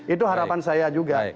itu harapan saya juga